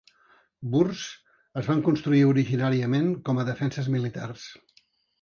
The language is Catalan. Burhs es van construir originàriament com a defenses militars.